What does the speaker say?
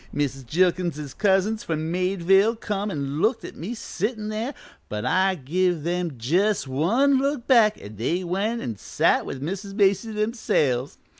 Mrs. Jilkins's cousins from Meadville come an' looked at me sittin' there, but I give them jus' one look back an' they went an' sat with Mrs. Macy themselves.